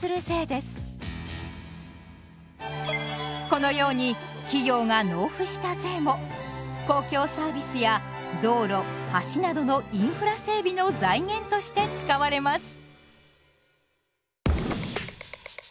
このように企業が納付した税も公共サービスや道路橋などのインフラ整備の財源として使われます。